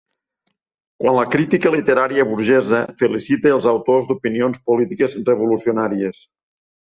Quan la crítica literària burgesa felicite els autors d'opinions polítiques revolucionàries